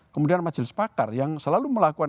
kemudian majelis pakar yang selalu melakukan